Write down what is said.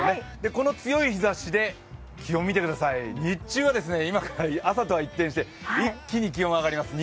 この強い日ざしで気温見てください、日中は朝とは一転して、一気に気温が上がります